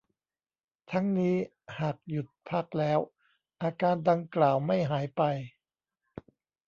ทั้งนี้ หากหยุดพักแล้วอาการดังกล่าวไม่หายไป